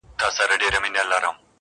زما شاعري وخوړه زې وخوړم.